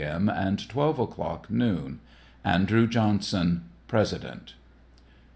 m. and 12 o'clock noon. ANDREW JOHNSON, President.